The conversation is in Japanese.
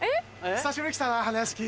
久しぶりに来たな花やしき。